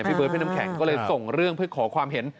เบิร์พี่น้ำแข็งก็เลยส่งเรื่องเพื่อขอความเห็น